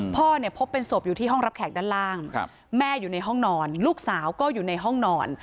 พ่อเนี่ยพบเป็นศพอยู่ที่ห้องรับแขกด้านล่างแม่อยู่ในห้องนอนลูกสาวก็อยู่ในห้องนอน